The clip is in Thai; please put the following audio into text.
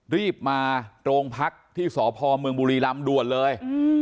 รีบมาโรงพักที่สพเมืองบุรีรำด่วนเลย